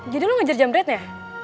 jadi lo ngajar jam rednya